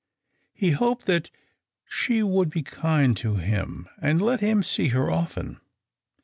He hoped that she would be kind to him and let him see her often.